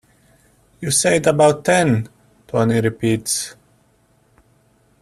"You said about ten," Tony repeats.